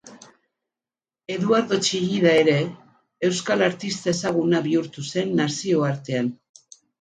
Eduardo Txillida ere euskal artista ezaguna bihurtu zen nazioartean.